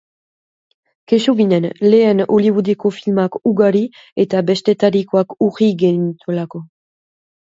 Kexu ginen, lehen Hollywoodeko filmak ugari eta bestetarikoak urri genituelako.